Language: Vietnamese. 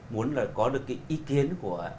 muốn là có được cái ý kiến của